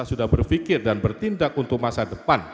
dan kita juga berpikir dan bertindak untuk memperbaiki kemampuan indonesia